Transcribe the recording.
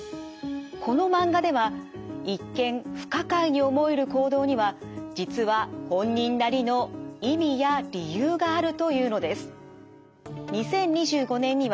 このマンガでは一見不可解に思える行動には実は本人なりの意味や理由があるというのです。